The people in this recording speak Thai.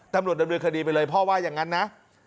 ตำรวจดำเนินคดีไปเลยพ่อว่าอย่างนั้นนะ